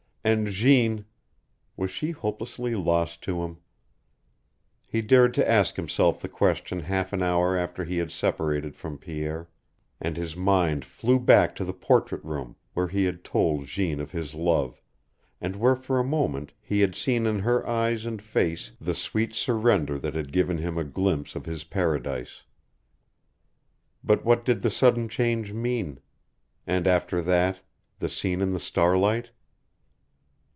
And Jeanne was she hopelessly lost to him? He dared to ask himself the question half an hour after he had separated from Pierre, and his mind flew back to the portrait room where he had told Jeanne of his love, and where for a moment he had seen in her eyes and face the sweet surrender that had given him a glimpse of his paradise. But what did the sudden change mean? And after that the scene in the starlight?